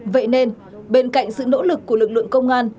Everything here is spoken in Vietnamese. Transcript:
vậy nên bên cạnh sự nỗ lực của lực lượng công an